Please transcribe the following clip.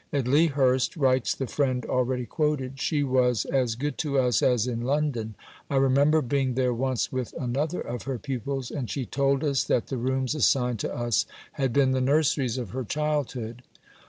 "At Lea Hurst," writes the friend already quoted, "she was as good to us as in London. I remember being there once with another of her pupils, and she told us that the rooms assigned to us had been the nurseries of her childhood.